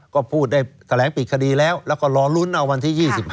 ก็พูดได้แถลงปิดคดีแล้วแล้วก็รอลุ้นเอาวันที่๒๕